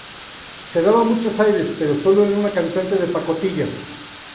Se daba muchos aires pero solo era una cantante de pacotilla